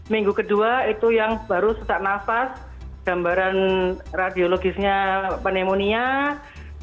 minggu kedua itu yang baru sesak nafas gambaran radiologisnya pneumonia